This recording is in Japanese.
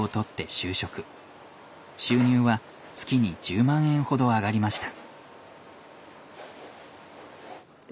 収入は月に１０万円ほど上がりました。